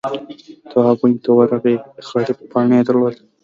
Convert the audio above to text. تواب ونې ته ورغئ خړې پاڼې يې درلودې.